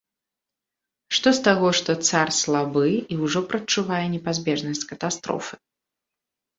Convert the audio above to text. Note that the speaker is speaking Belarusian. Што з таго, што цар слабы і ўжо прадчувае непазбежнасць катастрофы?